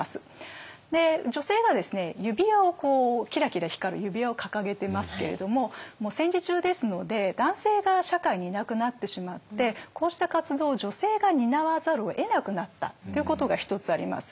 女性がですね指輪をキラキラ光る指輪を掲げてますけれども戦時中ですので男性が社会にいなくなってしまってこうした活動を女性が担わざるをえなくなったということが一つあります。